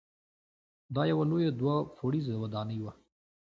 دا یوه لویه دوه پوړیزه ودانۍ وه.